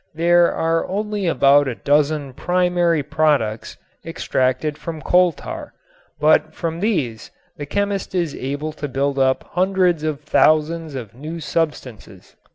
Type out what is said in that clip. There are only about a dozen primary products extracted from coal tar, but from these the chemist is able to build up hundreds of thousands of new substances.